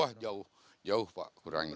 wah jauh jauh pak kurangnya